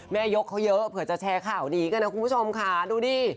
ยกเขาเยอะเผื่อจะแชร์ข่าวนี้กันนะคุณผู้ชมค่ะดูดิ